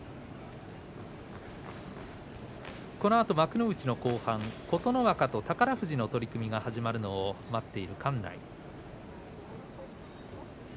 このあと幕内の後半琴ノ若と宝富士の取組が始まるのを待っている館内。